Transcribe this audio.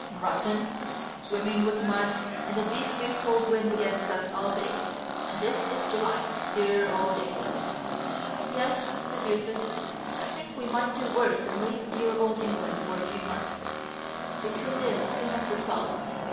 "Rotten; swimming with mud, and a beastly cold wind against us all day. And this is July. Dear old England!" "Yes," said Eustace, "I think we might do worse than leave dear old England for a few months." They turned in soon after twelve.